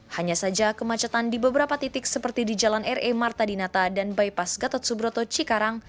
hanya saja kemacetan di beberapa titik seperti di jalan re marta dinata dan bypass gatot subroto cikarang